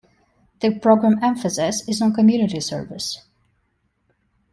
The program emphasis is on community service.